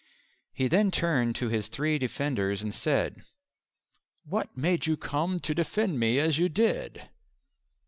He then turned to his three defenders and said, "What made you come to defend me as you did?"